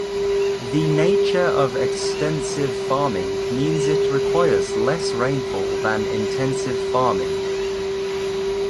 The nature of extensive farming means it requires less rainfall than intensive farming.